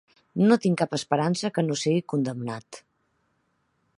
No tinc cap esperança que no sigui condemnat.